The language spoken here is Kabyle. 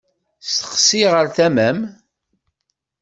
Steqsi ɣer tama-m.